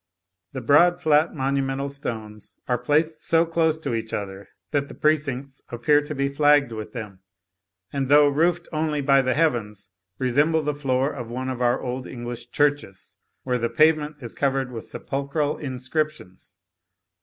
The broad flat monumental stones are placed so close to each other, that the precincts appear to be flagged with them, and, though roofed only by the heavens, resemble the floor of one of our old English churches, where the pavement is covered with sepulchral inscriptions.